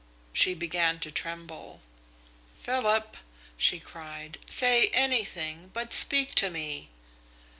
She began to tremble. "Philip!" she cried. "Say anything, but speak to me!"